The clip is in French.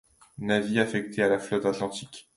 Navy affecté à la Flotte Atlantique.